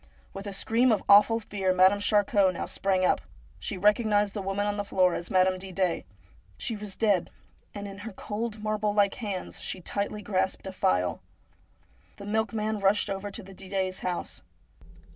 With a scream of awful fear Madame Charcot now sprang up. She recognised the woman on the floor as Madame Didet. She was dead, and in her cold, marble like hand she tightly grasped a phial. The milkman rushed over to the Didets' house.